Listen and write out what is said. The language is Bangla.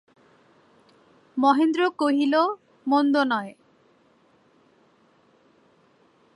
মহেন্দ্র কহিল, মন্দ নয়।